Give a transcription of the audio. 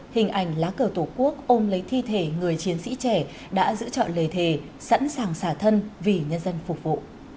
hình ảnh lá cờ tổ quốc ôm lấy thi thể người chiến sĩ trẻ đã giữ chọn lề thề sẵn sàng xả thân vì nhân dân phục vụ